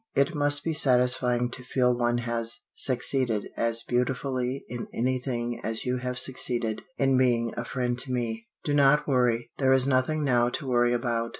It must be satisfying to feel one has succeeded as beautifully in anything as you have succeeded in being a friend to me. Do not worry. There is nothing now to worry about.